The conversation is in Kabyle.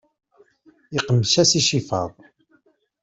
Iqmec-as icifaḍ.